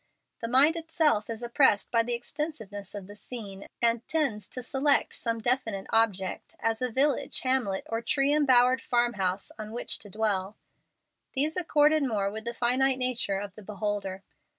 The mind itself is oppressed by the extensiveness of the scene, and tends to select some definite object, as a village, hamlet, or tree embowered farmhouse, on which to dwell. These accord more with the finite nature of the beholder.